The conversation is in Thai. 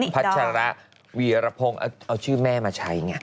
พัชระวีรพงศ์เอาชื่อแม่มาใช้ไง